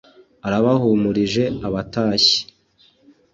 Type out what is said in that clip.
arabahumurije abatashyi.